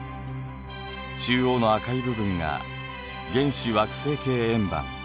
中央の赤い部分が原始惑星系円盤。